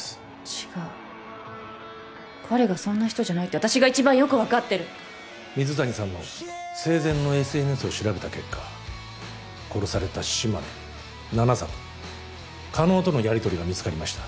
違う彼がそんな人じゃないって私が一番よく分かってる水谷さんの生前のＳＮＳを調べた結果殺された島根七里狩野とのやりとりが見つかりました